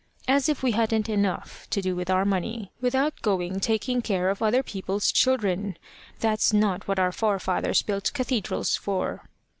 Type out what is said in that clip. As if we hadn't enough to do with our money, without going taking care of other people's children! That's not what our forefathers built cathedrals for."